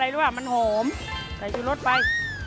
ใส่จุฤภิกษ์ใช่ดูรสไป